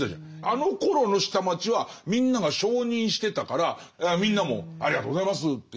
あのころの下町はみんなが承認してたからみんなも「ありがとうございます」っていう。